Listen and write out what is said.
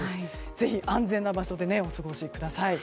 ぜひ安全な場所でお過ごしください。